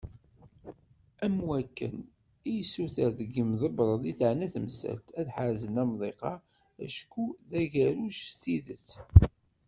Am wakken i d-yessuter deg yimḍebbren i teεna temsalt, ad ḥerzen amḍiq-a, acku d agerruj s tidet.